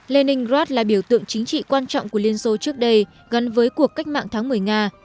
leningrad là biểu tượng chính trị quan trọng của liên xô trước đây gắn với cuộc cách mạng tháng một mươi nga